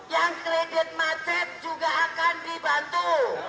yang kredit macet juga akan dibantu